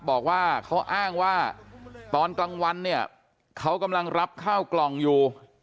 บอกว่าเขาอ้างว่าตอนกลางวันเนี่ยเขากำลังรับข้าวกล่องอยู่